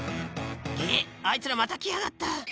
げっ、あいつらまた来やがった。